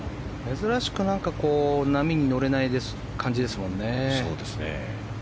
珍しく波に乗れない感じですもんね。